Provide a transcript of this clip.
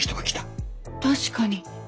確かに。